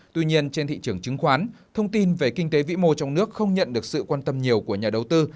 tuy nhiên trên thị trường chứng khoán thông tin về kinh tế vĩ mô trong nước không nhận được sự quan tâm nhiều của nhà đầu tư